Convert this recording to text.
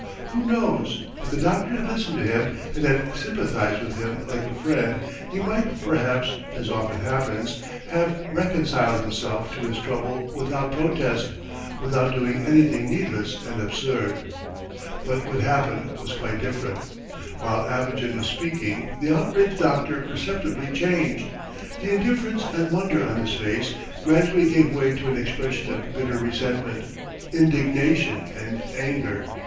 Who knows, if the doctor had listened to him and had sympathized with him like a friend, he might perhaps, as often happens, have reconciled himself to his trouble without protest, without doing anything needless and absurd. ... But what happened was quite different. While Abogin was speaking the outraged doctor perceptibly changed. The indifference and wonder on his face gradually gave way to an expression of bitter resentment, indignation, and anger.